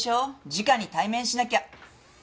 じかに対面しなきゃ。